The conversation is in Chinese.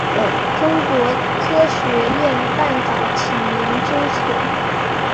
中国科学院半导体研究所。